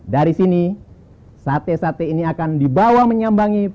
dari sini sate sate ini akan dibawa menyambangi